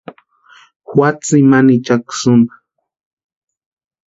Jua tsimani ichakwa sïmpa.